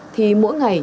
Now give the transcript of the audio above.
thì mỗi ngày